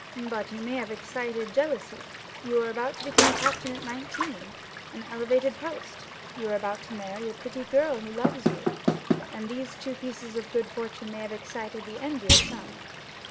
"But you may have excited jealousy. You are about to become captain at nineteen—an elevated post; you are about to marry a pretty girl, who loves you; and these two pieces of good fortune may have excited the envy of someone."